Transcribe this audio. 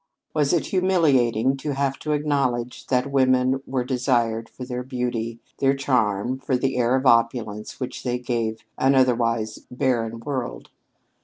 Was it humiliating to have to acknowledge that women were desired for their beauty, their charm, for the air of opulence which they gave to an otherwise barren world?